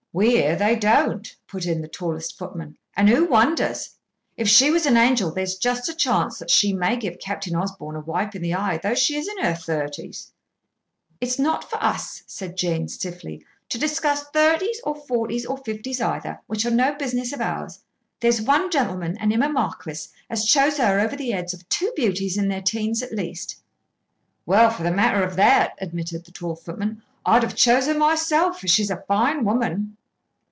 "We hear they don't," put in the tallest footman. "And who wonders. If she was an angel, there's just a chance that she may give Captain Osborn a wipe in the eye, though she is in her thirties." "It's not for us," said Jane, stiffly, "to discuss thirties or forties or fifties either, which are no business of ours. There's one gentleman, and him a marquis, as chose her over the heads of two beauties in their teens, at least." "Well, for the matter of that," admitted the tall footman, "I'd have chose her myself, for she's a fine woman."